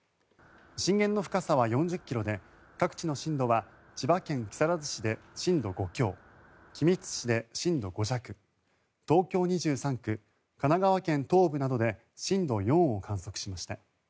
震源の深さは４０ｋｍで各地の震度は千葉県木更津市で震度５強君津市で震度５弱東京２３区、神奈川県東部などで震度４を観測しました。